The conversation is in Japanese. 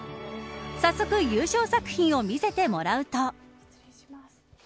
さっそく、優勝作品を見せてもらうと。